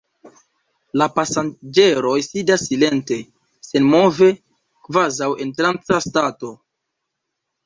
La pasaĝeroj sidas silente, senmove, kvazaŭ en tranca stato.